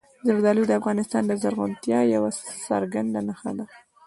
زردالو د افغانستان د زرغونتیا یوه څرګنده نښه ده.